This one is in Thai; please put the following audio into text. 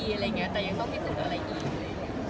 แต่ยังต้องพิสูจน์อะไรอีก